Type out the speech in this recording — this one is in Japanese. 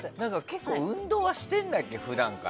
結構、普段から運動はしてるんだっけ？